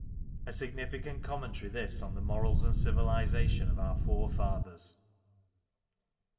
A significant commentary this on the morals and civilization of our forefathers.